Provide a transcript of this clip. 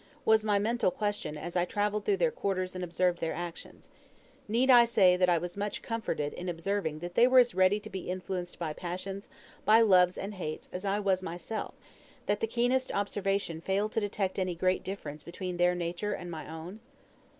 was my mental question as I travelled through their quarters and observed their actions. Need I say, that I was much comforted in observing that they were as ready to be influenced by passions, by loves and hates, as I was myself; that the keenest observation failed to detect any great difference between their nature and my own?